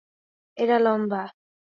এরা লম্বা।